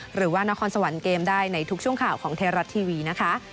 หรือว่านครสวรรค์เกมได้ในทุกช่วงข่าวของไทยรัฐทีวีนะคะ